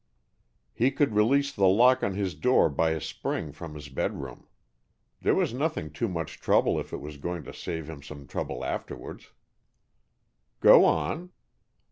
"He could release the lock on his door by a spring from his bedroom. There was nothing too much trouble if it was going to save him some trouble afterwards." "Go on."